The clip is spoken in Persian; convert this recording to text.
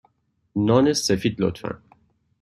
نان سفید، لطفا.